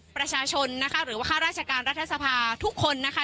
ประชาชนนะคะหรือว่าข้าราชการรัฐสภาทุกคนนะคะ